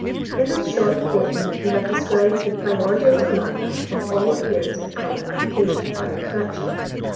In this short statement we have described the primordial phenomena of all appearance of colour occasioned by refraction.